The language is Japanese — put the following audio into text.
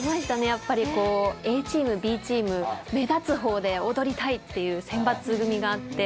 やっぱりこうＡチームＢチーム目立つ方で踊りたいっていう選抜組があって。